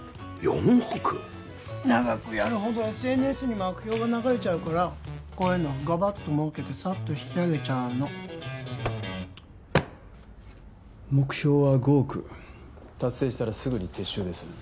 長くやるほどＳＮＳにも悪評が流れちゃうからこういうのはガバッともうけてさっと引きあげちゃうの目標は５億達成したらすぐに撤収です